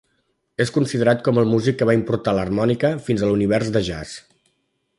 És considerat com el músic que va importar l'harmònica fins a l'univers de jazz.